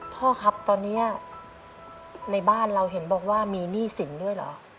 พ่อครับตอนนี้ในบ้านเราเห็นบอกว่ามีหนี้สินด้วยเหรอ